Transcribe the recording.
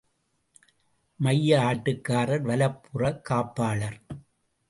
மைய ஆட்டக்காரர் வலப்புற காப்பாளர்